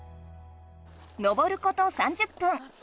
登ること３０分。